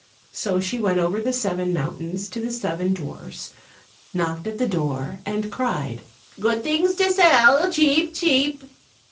So she went over the seven mountains to the seven dwarfs, knocked at the door, and cried, "Good things to sell, cheap, cheap!"